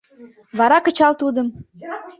Вара кычал тудым!